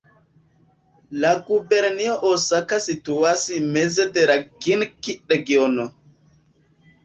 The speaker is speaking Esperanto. La gubernio Osaka situas meze de Kinki-regiono.